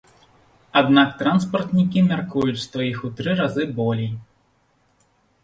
Аднак транспартнікі мяркуюць, што іх у тры разы болей.